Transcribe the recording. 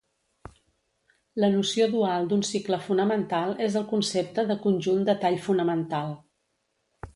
La noció dual d'un cicle fonamental és el concepte de conjunt de tall fonamental.